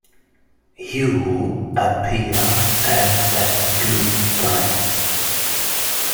You appear at a good time.